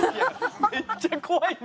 めっちゃ怖いんだよ。